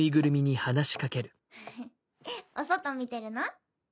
お外見てるの？